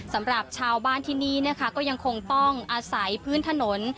สำหรับชาวบ้านที่นี่นะคะก็ยังคงต้องอาศัยพื้นถนน